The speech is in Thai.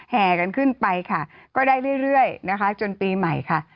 แห่กันขึ้นไปค่ะก็ได้เรื่อยนะคะจนปีใหม่ค่ะ